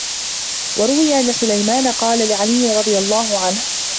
وَرُوِيَ أَنَّ سَلْمَانَ قَالَ لِعَلِيٍّ رَضِيَ اللَّهُ عَنْهُ